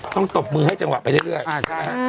ต้องตบมือให้จังหวะไปเรื่อย